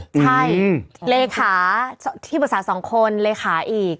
ใช่เลขาที่ปรึกษาสองคนเลขาอีก